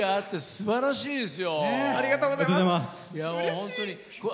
すばらしいです。